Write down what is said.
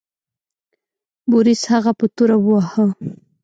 بوریس هغه په توره وواهه.